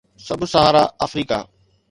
sub Sahara Africa